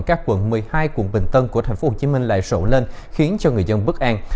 các quận một mươi hai quận bình tân của thành phố hồ chí minh lại rộn lên khiến cho người dân bức an